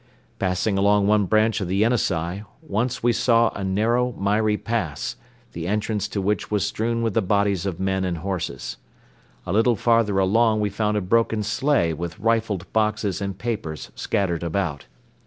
Passing across one branch of the Yenisei, once we saw a narrow, miry pass, the entrance to which was strewn with the bodies of men and horses. A little farther along we found a broken sleigh with rifled boxes and papers scattered about.